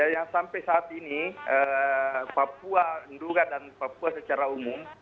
yang sampai saat ini papua nura dan papua secara umum